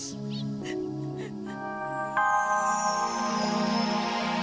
saya menganggap riris sebagai seorang yang lebih baik